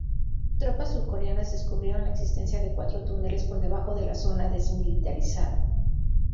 Tropas surcoreanas descubrieron la existencia de cuatro túneles por debajo de la zona desmilitarizada.